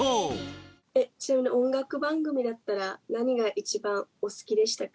ちなみに音楽番組だったら何が一番お好きでしたか？